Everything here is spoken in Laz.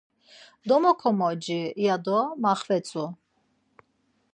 Domokomoci ya do maxvetzu.